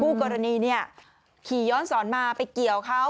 กรณีเนี่ยขี่ย้อนสอนมาไปเกี่ยวเขา